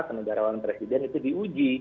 kenegarawanan presiden itu diuji